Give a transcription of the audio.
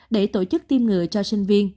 để tổ chức tiêm ngựa cho sinh viên